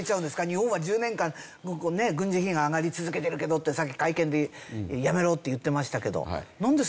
日本は１０年間軍事費が上がり続けてるけどってさっき会見でやめろって言ってましたけど。